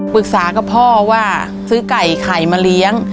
ปรึกษากับพ่อว่าซื้อไก่ไข่มาเลี้ยง